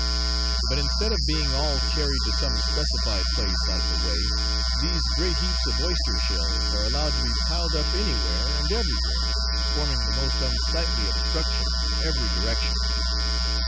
But instead of being all carried to some specified place out of the way, these great heaps of oyster shells are allowed to be piled up anywhere and everywhere, forming the most unsightly obstructions in every direction.